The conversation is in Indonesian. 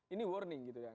ini warning gitu ya